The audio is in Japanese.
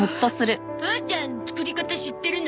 父ちゃん作り方知ってるの？